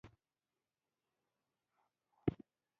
زه هڅه کوم، چي هره ورځ یو ښه کار وکم.